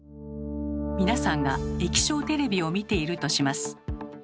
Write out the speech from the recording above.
皆さんが液晶テレビを見ているとします。